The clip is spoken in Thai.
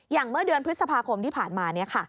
อย่างเมื่อเดือนพฤษภาคมที่ผ่านมานี้